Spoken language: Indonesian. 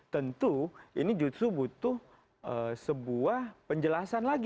tentu ini justru butuh sebuah penjelasan lagi